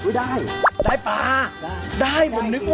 โอ้ยได้